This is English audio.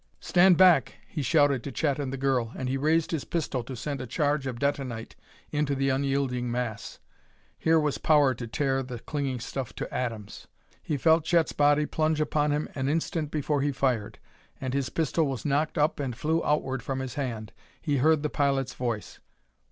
"Stand back!" he shouted to Chet and the girl, and he raised his pistol to send a charge of detonite into the unyielding mass. Here was power to tear the clinging stuff to atoms. He felt Chet's body plunge upon him an instant before he fired, and his pistol was knocked up and flew outward from his hand. He heard the pilot's voice.